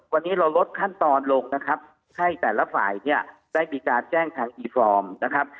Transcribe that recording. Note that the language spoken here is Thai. วันนี้เราลดขั้นตอนลงนะครับให้แต่ละฝ่ายเนี่ยได้มีการแจ้งทางอีฟอร์มนะครับ